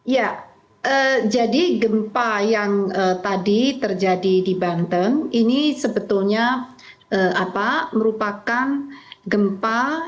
ya jadi gempa yang tadi terjadi di banten ini sebetulnya merupakan gempa